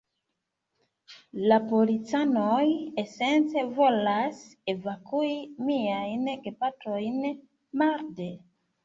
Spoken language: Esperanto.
La policanoj esence volas evakui miajn gepatrojn marde.